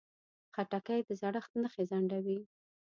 خټکی د زړښت نښې ځنډوي.